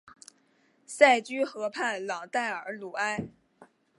塞居河畔朗代尔鲁埃。